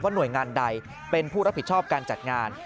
หน่วยงานใดเป็นผู้รับผิดชอบการจัดงาน